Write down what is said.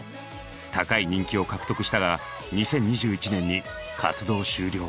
高い人気を獲得したが２０２１年に活動終了。